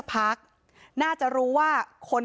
พนักงานในร้าน